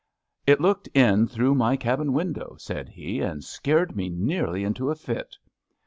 It looked in through my cabin window,'* said he, " and scared me nearly into a fit.